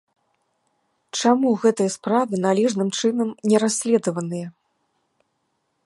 Чаму гэтыя справы належным чынам не расследаваныя?